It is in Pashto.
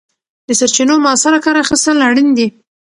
د سرچینو مؤثره کار اخیستل اړین دي.